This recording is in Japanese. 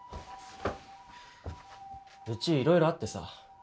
うちいろいろあってさ。